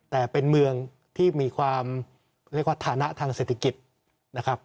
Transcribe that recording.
แต่เป็นเมืองที่มีความเรียกว่าฐานะทางเศรษฐกิจนะครับ